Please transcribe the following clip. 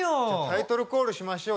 タイトルコールしましょう。